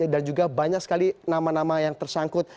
dan juga banyak sekali nama nama yang tersangkut